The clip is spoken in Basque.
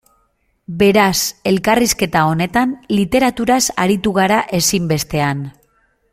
Beraz, elkarrizketa honetan, literaturaz aritu gara ezinbestean.